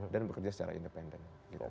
dan bekerja secara independen